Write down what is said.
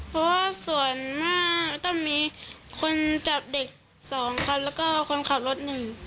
เพราะว่าส่วนมากต้องมีคนจับเด็ก๒ครับแล้วก็คนขับรถ๑